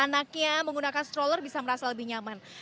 yang menariknya menggunakan stroller bisa merasa lebih nyaman